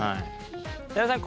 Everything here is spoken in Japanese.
寺田さん